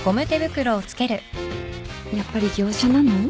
やっぱり業者なの？